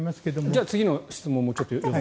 じゃあ、次の質問も。